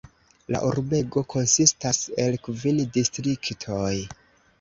La urbego konsistas el kvin distriktoj.